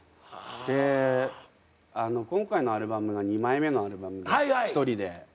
で今回のアルバムが２枚目のアルバムで一人で。